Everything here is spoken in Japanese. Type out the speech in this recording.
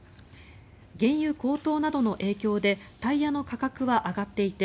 原油高騰などの影響でタイヤの価格は上がっていて